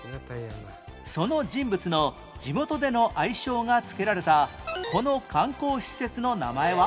その人物の地元での愛称が付けられたこの観光施設の名前は？